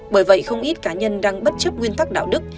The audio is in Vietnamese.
bởi vậy không ít cá nhân đang bất chấp nguyên tắc đạo đức